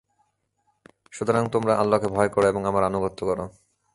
সুতরাং তোমরা আল্লাহকে ভয় কর এবং আমার আনুগত্য কর।